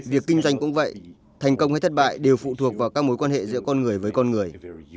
việc kinh doanh cũng vậy thành công hay thất bại đều phụ thuộc vào các mối quan hệ giữa con người với con người